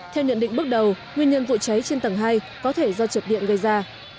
theo nhận định bước đầu nguyên nhân vụ cháy trên tầng hai có thể do chập điện gây ra